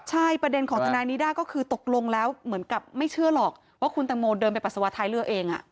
ใช่ประเด็นของทนายนิด้าก็คือตกลงแล้วเหมือนกับไม่เชื่อหรอกว่าคุณตังโมเดินไปปัสสาวะท้ายเรือเอง